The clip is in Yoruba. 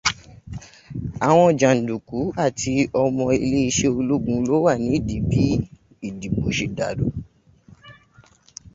Àwọn janduku àti ọmọ ilé ìṣẹ́ ológun ló wà nìdìí bi ìdìbò ṣe dàrú.